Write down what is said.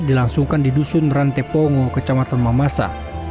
dilangsungkan di dusun rantepongo kecamatan mamasa